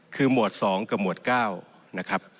คือหมวด๒กับหมวด๙นะครับ